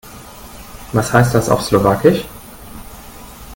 Was heißt das auf Slowakisch?